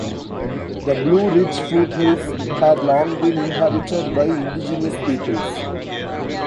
The Blue Ridge Foothills had long been inhabited by indigenous peoples.